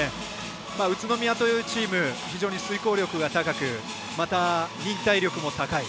宇都宮というチーム非常に遂行力が高くまた、忍耐力も高い。